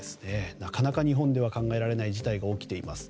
なかなか日本では考えられない事態が起きています。